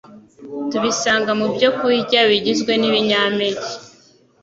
tubisanga mu byokurya bigizwe n’ibinyampeke,